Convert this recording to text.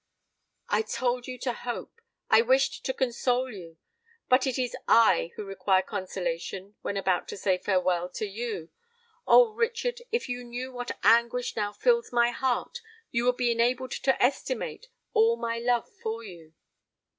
"I told you to hope—I wished to console you; but it is I who require consolation when about to say farewell to you! Oh! Richard, if you knew what anguish now fills my heart, you would be enabled to estimate all my love for you!"